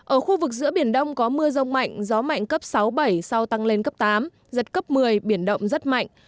ở khu vực giữa biển đông có mưa rông mạnh gió mạnh cấp sáu bảy sau tăng lên cấp tám giật cấp một mươi biển động rất mạnh